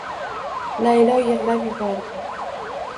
Laylo yig`lab yubordi